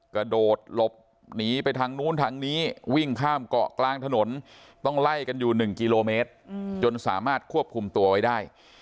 กระโดดหลบหนีไปทางนู้นทางนี้วิ่งข้ามเกาะกลางถนนต้องไล่กันอยู่๑กิโลเมตรจนสามารถควบคุมตัวไว้ได้